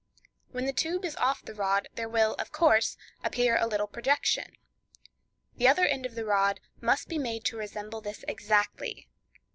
When the tube is off the rod, there will, of course, appear a little projection. The other end of the rod must be made to resemble this exactly.